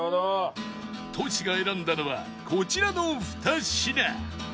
トシが選んだのはこちらの２品